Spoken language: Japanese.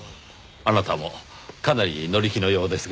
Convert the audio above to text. あなたもかなり乗り気のようですが。